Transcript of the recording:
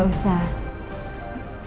pak al sudah minta